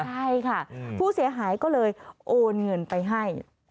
ใช่ค่ะผู้เสียหายก็เลยโอนเงินไปให้